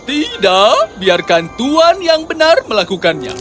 tidak biarkan tuhan yang benar melakukannya